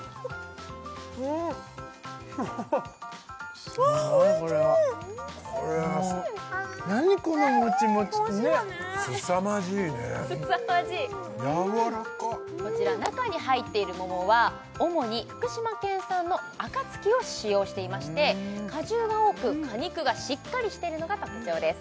うまっわおいしいすごいこれはこれは何このもちもちねっすさまじいねやわらかっこちら中に入っている桃は主に福島県産のあかつきを使用していまして果汁が多く果肉がしっかりしてるのが特徴です